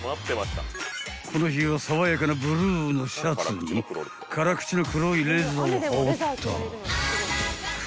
［この日は爽やかなブルーのシャツに辛口の黒いレザーを羽織った］